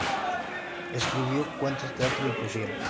Escribió cuentos, teatro y poesía.